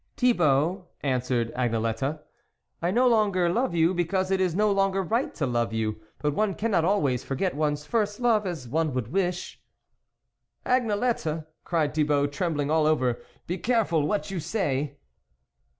" Thibault," answered Agnelette, " I no longer love you, because it is no longer right to love you ; but one cannot always forget one's first love as one would wish." "Agnelette!" cried Thibault, trembling all over, " be careful what you say